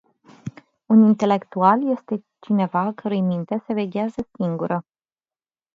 Un intelectual este cineva a cărui minte se veghează singură.